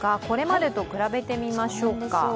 これまでと比べてみましょうか。